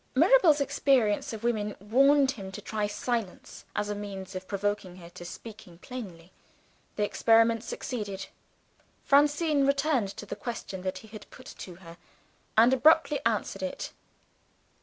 Mirabel's experience of women warned him to try silence as a means of provoking her into speaking plainly. The experiment succeeded: Francine returned to the question that he had put to her, and abruptly answered it.